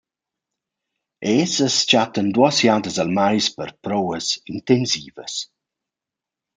Els as chattan duos jadas al mais per prouvas intensivas.